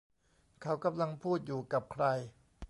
เขากำลังพูดอยู่กับใคร